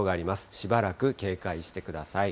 しばらく警戒してください。